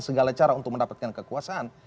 segala cara untuk mendapatkan kekuasaan